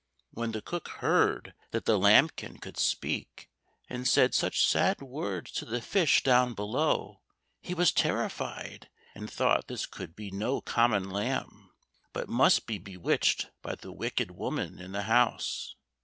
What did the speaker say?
When the cook heard that the lambkin could speak and said such sad words to the fish down below, he was terrified and thought this could be no common lamb, but must be bewitched by the wicked woman in the house.